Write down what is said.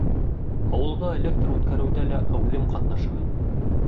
Ауылға электр үткәреүҙә лә әүҙем ҡатнаша.